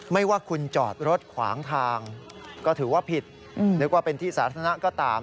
ไม่ว่าคุณจอดรถขวางทางก็ถือว่าผิดนึกว่าเป็นที่สาธารณะก็ตาม